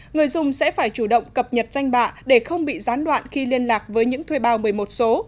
người dùng sẽ phải chủ động cập nhật danh bạ để không bị gián đoạn khi liên lạc với những thuê bao một mươi một số